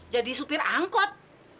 jadi supir angkot